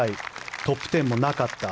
トップ１０もなかった。